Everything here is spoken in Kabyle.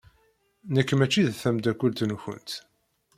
Nekk mačči d tameddakelt-nkent.